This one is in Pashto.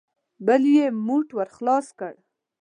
بل يې موټ ور خلاص کړ.